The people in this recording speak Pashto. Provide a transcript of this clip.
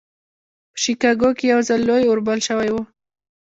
په شيکاګو کې يو ځل لوی اور بل شوی و.